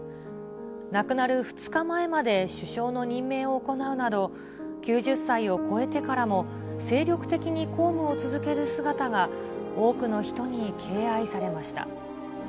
亡くなる２日前まで首相の任命を行うなど、９０歳を超えてからも、精力的に公務を続ける姿が、多くの人に敬愛されました。